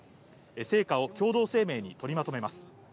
成果を共同声明に取りまとめます。